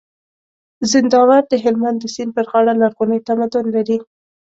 زينداور د هلمند د سيند پر غاړه لرغونی تمدن لري